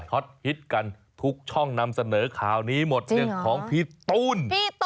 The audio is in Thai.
ฮอตฮิตกันทุกช่องนำเสนอข่าวนี้หมดเรื่องของพี่ตูน